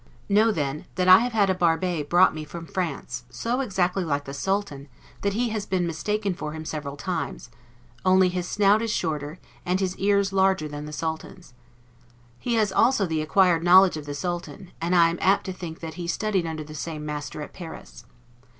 Know then, that I have had a Barbet brought me from France, so exactly like the Sultan that he has been mistaken for him several times; only his snout is shorter, and his ears longer than the Sultan's. He has also the acquired knowledge of the Sultan; and I am apt to think that he studied under the same master at Paris.